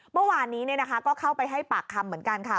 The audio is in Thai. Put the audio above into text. เมื่อวานนี้ก็เข้าไปให้ปากคำเหมือนกันค่ะ